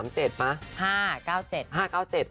๕๙๗ไม่จำแม่น